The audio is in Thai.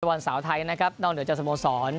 ในวันเสาร์ไทยนอกเหนือจากสโมสร